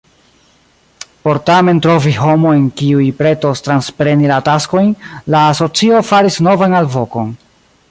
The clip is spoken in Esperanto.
Por tamen trovi homojn kiuj pretos transpreni la taskojn, la asocio faris novan alvokon.